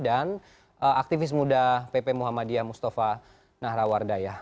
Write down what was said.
dan aktivis muda pp muhammadiyah mustafa nahrawardaya